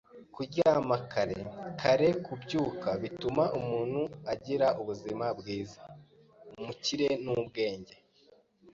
Kuryama kare, kare kubyuka bituma umuntu agira ubuzima bwiza, umukire nubwenge.